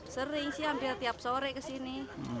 sering sih hampir tiap sore kesini